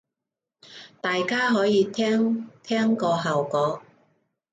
大家可以聽聽個效果